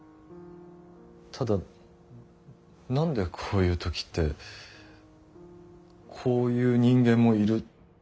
ただ何でこういう時って「こういう人間もいる」